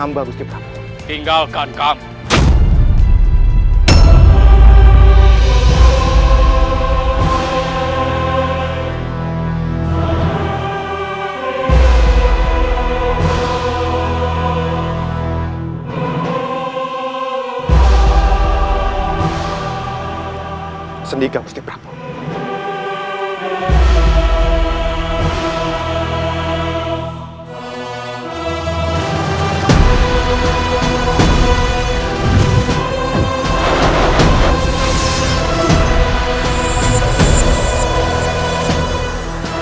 masuklah ke dalam